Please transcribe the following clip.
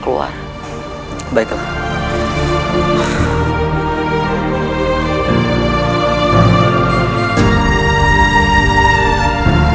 itu barang éénusia